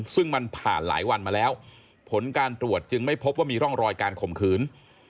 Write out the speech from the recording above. ซึ่งมันผ่านหลายวันมาแล้วผลการตรวจจึงไม่พบว่ามีร่องรอยการข่มขืน